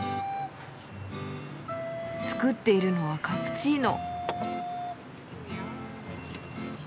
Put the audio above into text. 作っているのはカプチーノ。